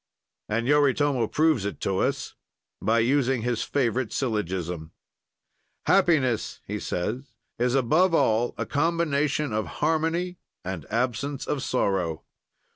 And Yoritomo proves it to us, by using his favorite syllogism: "Happiness," he says, "is above all a combination of harmony and absence of sorrow.